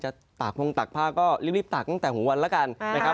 จะตากห้องตากผ้าก็รีบตากตั้งแต่หัววันละกัน